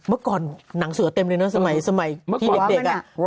เมื่อก่อนหนังเสือเต็มเลยนะสมัยที่เด็ก